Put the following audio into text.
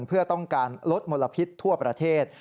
เพื่อต้องการลดมลพิษทั่วประเทศ